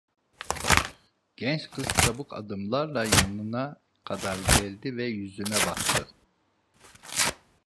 Genç kız çabuk adımlarla yanına kadar geldi ve yüzüne baktı.